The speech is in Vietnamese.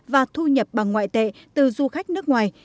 và thu nhập bằng ngoại tệ từ du khách nước ngoài